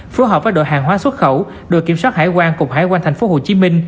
phối hợp với đội hàng hóa xuất khẩu đội kiểm soát hải quan cục hải quan tp hcm